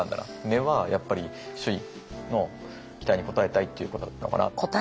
根はやっぱり周囲の期待に応えたいっていうことだったのかなと。